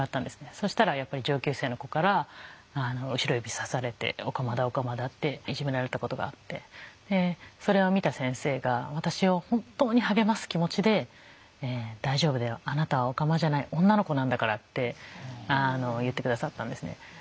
そしたらやっぱり上級生の子から後ろ指さされて「オカマだオカマだ」っていじめられたことがあってそれを見た先生が私を本当に励ます気持ちで「大丈夫だよ。あなたはオカマじゃない女の子なんだから」って言って下さったんですね。